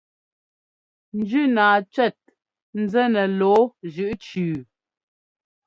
Njínaa cʉ́ɛt nzɛ́ nɛ lɔ̌ɔ jʉʼ cʉʉ.